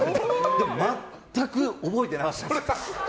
でも全く覚えてなかったです。